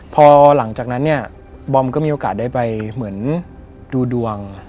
พอหลังจากนั้นเนี่ยบอมก็มีโอกาสได้ไปเหมือนดูดวง